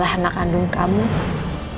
dan saya juga gak pernah menemukan dewi